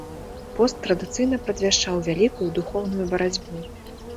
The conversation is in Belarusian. Пост традыцыйна прадвяшчаў вялікую духоўную барацьбу.